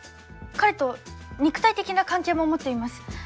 彼と肉体的な関係も持っています。